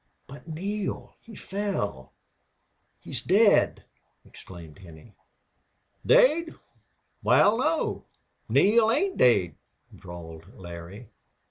"But Neale! He fell he's dead!" exclaimed Henney. "Daid? Wal, no, Neale ain't daid," drawled Larry.